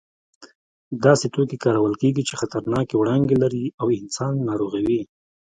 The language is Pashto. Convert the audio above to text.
داسې توکي کارول کېږي چې خطرناکې وړانګې لري او انسان ناروغوي.